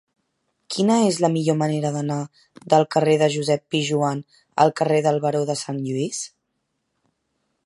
Quina és la millor manera d'anar del carrer de Josep Pijoan al carrer del Baró de Sant Lluís?